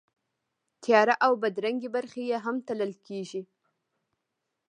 تیاره او بدرنګې برخې یې هم تلل کېږي.